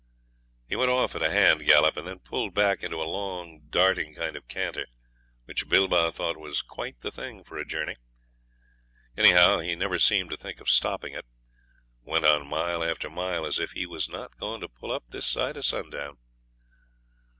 He went off at a hand gallop, and then pulled back into a long darting kind of canter, which Bilbah thought was quite the thing for a journey anyhow, he never seemed to think of stopping it went on mile after mile as if he was not going to pull up this side of sundown.